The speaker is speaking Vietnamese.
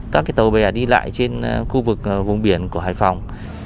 các tàu bè đi lại trên khu vực vùng biển của hải phòng